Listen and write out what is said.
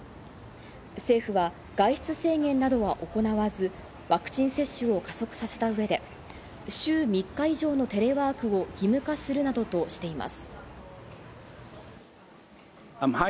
政府は外出制限などは行わず、ワクチン接種を加速させた上で週３日以上のテレワークを義務化するなどとしています。